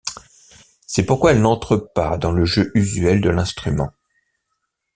C'est pourquoi elle n'entre pas dans le jeu usuel de l'instrument.